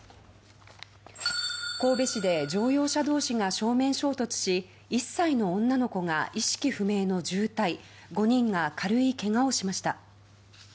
神戸市で乗用車同士が正面衝突し１歳の女の子が意識不明の重体５人が軽いけがをしました。